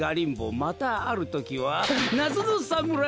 またあるときはなぞのさむらい。